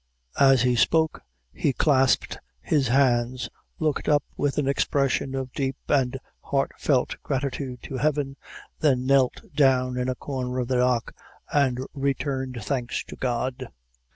As he spoke, he elapsed his hands, looked up with an expression of deep and heartfelt gratitude to heaven, then knelt down in a corner of the dock, and returned thanks to God.